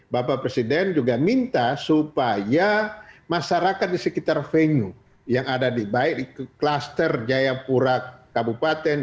bapak presiden juga minta supaya masyarakat di sekitar venue yang ada baik di kluster jayapura kabupaten